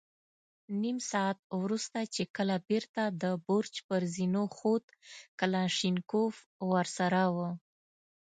نيم ساعت وروسته چې کله بېرته د برج پر زينو خوت، کلاشينکوف ور سره و.